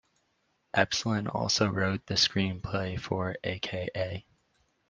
Evslin also wrote the screenplay for A.k.a.